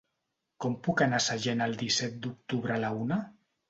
Com puc anar a Sellent el disset d'octubre a la una?